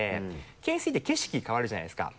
懸垂って景色変わるじゃないですか。